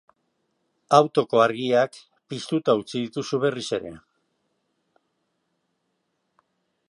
Autoko argiak piztuta utzi dituzu berriz ere.